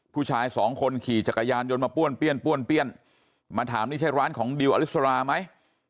ผู้ชายสองคนขี่จักรยานยนต์มาป้วนเปี้ยนป้วนเปี้ยนมาถามนี่ใช่ร้านของดิวอลิสราไหม